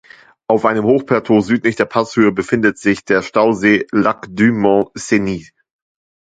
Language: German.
Auf einem Hochplateau südlich der Passhöhe befindet sich der Stausee Lac du Mont Cenis.